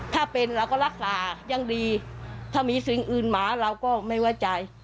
ถ้าเป็นเราก็รักษายังดีถ้ามีสิ่งอื่นหมาเราก็ไม่ไว้ใจ